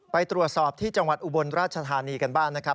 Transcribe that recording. ไปตรวจสอบที่จังหวัดอุบลราชธานีกันบ้างนะครับ